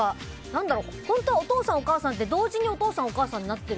本当はお父さん、お母さんって同時にお父さん、お母さんになっている